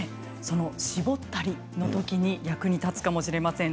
絞ったりの時に役に立つかもしれません。